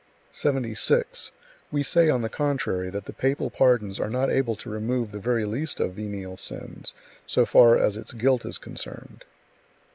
76. We say, on the contrary, that the papal pardons are not able to remove the very least of venial sins, so far as its guilt is concerned.